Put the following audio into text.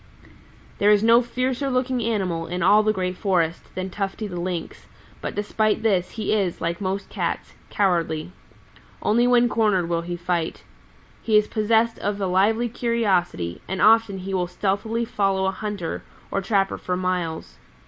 "There is no fiercer looking animal in all the Green Forest than Tufty the Lynx, but despite this he is, like most Cats, cowardly. Only when cornered will he fight. He is possessed of a lively curiosity, and often he will stealthily follow a hunter or trapper for miles.